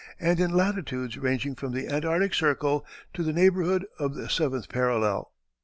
and in latitudes ranging from the Antarctic Circle to the neighborhood of the seventieth parallel.